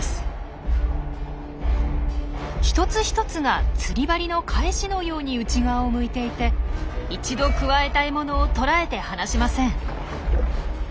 一つ一つが釣り針のかえしのように内側を向いていて一度くわえた獲物をとらえて離しません。